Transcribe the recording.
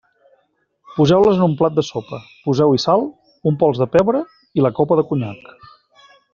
Poseu-les en un plat de sopa, poseu-hi sal, un pols de pebre i la copa de conyac.